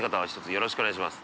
よろしくお願いします。